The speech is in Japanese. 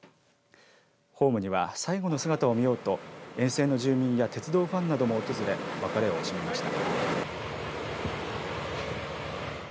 ホームには最後の姿を見ようと沿線の住民や鉄道ファンなども訪れ別れを惜しみました。